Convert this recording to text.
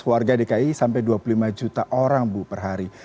warga dki sampai dua puluh lima juta orang bu per hari